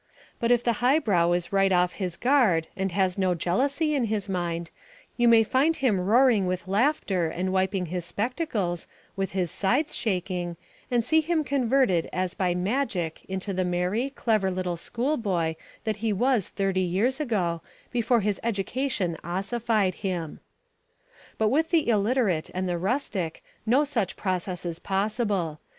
But if the highbrow is right off his guard and has no jealousy in his mind, you may find him roaring with laughter and wiping his spectacles, with his sides shaking, and see him converted as by magic into the merry, clever little school boy that he was thirty years ago, before his education ossified him. But with the illiterate and the rustic no such process is possible.